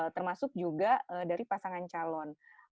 termasuk juga dari pasangan calon